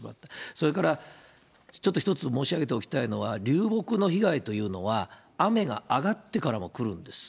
それからちょっと一つ申し上げておきたいのは、流木の被害というのは、雨が上がってからもくるんです。